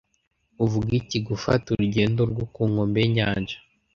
Uvuga iki gufata urugendo rwo ku nkombe y'inyanja?